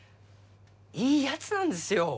いいヤツなんですよ